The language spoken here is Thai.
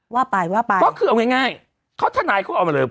ว่าไปว่าไปก็คือเอาง่ายเขาทนายเขาเอามาเลย